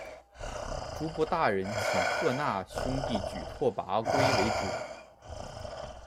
诸部大人请贺讷兄弟举拓跋圭为主。